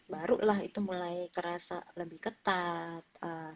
barulah itu mulai kerasa lebih ketat